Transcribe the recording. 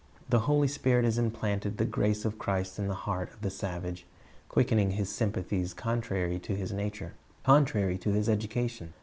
The Holy Spirit has implanted the grace of Christ in the heart of the savage, quickening his sympathies contrary to his nature, contrary to his education.